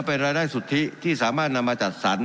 เป็นรายได้สุทธิที่สามารถนำมาจัดสรร